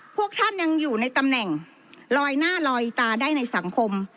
พวกท่านยังอยู่ในตำแหน่งลอยหน้าลอยตาได้ในสังคม